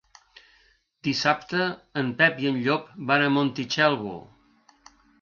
Dissabte en Pep i en Llop van a Montitxelvo.